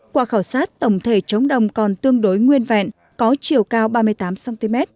qua khảo sát tổng thể trống đồng còn tương đối nguyên vẹn có chiều cao ba mươi tám cm